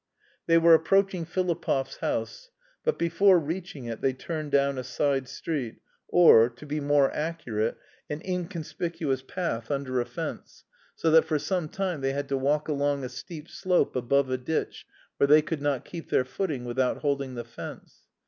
They were approaching Filipov's house, but before reaching it they turned down a side street, or, to be more accurate, an inconspicuous path under a fence, so that for some time they had to walk along a steep slope above a ditch where they could not keep their footing without holding the fence.